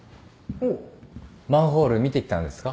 マンホール見てきたんですか？